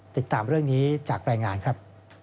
ติดตามเรื่องนี้จากรายงานครับ